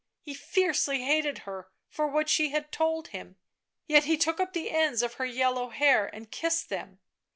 ... He fiercely hated her for what she had told him, yet he took up the ends of her yellow hair and kissed them.